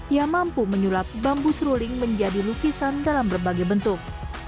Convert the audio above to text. ia mampu menyulap bambu seruling menjadi lukisan dalam berbagai bentuk